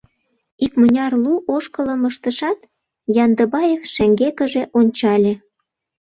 Икмыняр лу ошкылым ыштышат, Яндыбаев шеҥгекыже ончале.